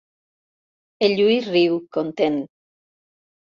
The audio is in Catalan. El Lluís riu, content.